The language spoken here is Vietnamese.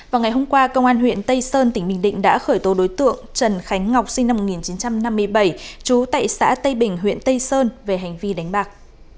vào ngày hôm qua công an huyện tây sơn tỉnh bình định đã khởi tố đối tượng trần khánh ngọc sinh năm một nghìn chín trăm năm mươi bảy trú tại xã tây bình huyện tây sơn về hành vi đánh bạc